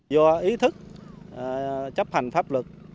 do ý thức chấp hành pháp luật